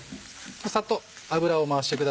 サッと脂を回してください。